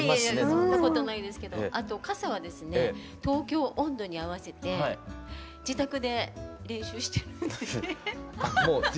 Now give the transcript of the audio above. そんなことないですけどあと傘はですね「東京音頭」に合わせて自宅で練習してるんですアハハッ。